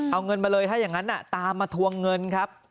เอาเงินมาเลยถ้าอย่างนั้นตามมาทวงเงินครับ